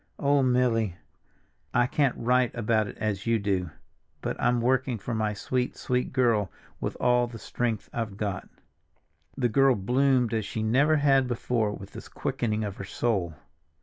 _ Oh, Milly! I can't write about it as you do, but I'm working for my sweet, sweet girl with all the strength I've got." The girl bloomed as she never had before with this quickening of her soul.